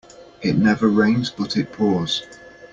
It never rains but it pours.